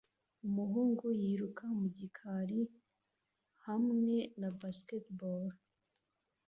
Umuhungu yiruka mu gikari hamwe na basketball